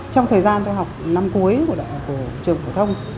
trong thời gian tôi học năm cuối của trường phổ thông